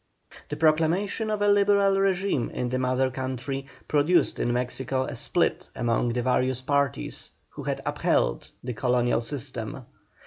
The proclamation of a Liberal régime in the mother country produced in Mexico a split among the various parties who had upheld the colonial system.